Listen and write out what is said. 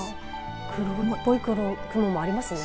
黒っぽい雲もありますね。